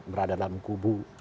berada dalam kubu